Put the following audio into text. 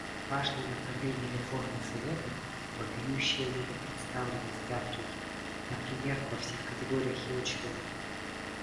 Важное направление реформы Совета — вопиющая недопредставленность Африки, например, во всех категориях его членов.